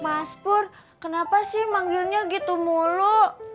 mas pur kenapa sih manggil nya gitu mulu